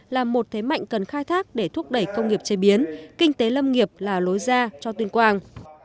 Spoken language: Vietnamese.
là một thế mạnh cần khai thác để thúc đẩy công nghiệp chế biến kinh tế lâm nghiệp là lối ra cho tuyên quang